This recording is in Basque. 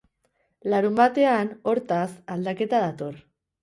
Larunbatean, hortaz, aldaketa dator.